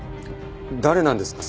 誰なんですか？